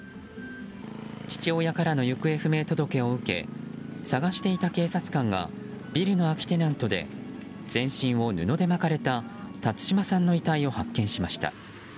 父親からの行方不明届を受け捜していた警察官がビルの空きテナントで全身を布で巻かれた辰島さんの遺体を発見しました。